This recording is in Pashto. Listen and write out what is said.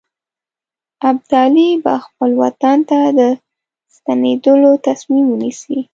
ابدالي به خپل وطن ته د ستنېدلو تصمیم ونیسي.